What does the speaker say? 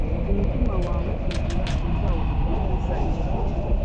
umutima wawe ugira uzawukomezanye